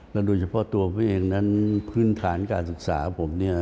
และโดยเฉพาะตัวเพื่อนเองนั้นพื้นฐานการศึกษาของผม